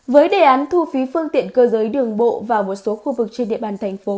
với đề án thu phí phương tiện cơ giới đường bộ vào một số khu vực trên địa bàn thành phố